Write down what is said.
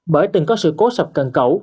bởi từng có sự cố sập cần cẩu